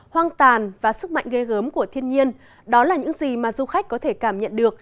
hoang tàn và sức mạnh ghê gớm của thiên nhiên đó là những gì mà du khách có thể cảm nhận được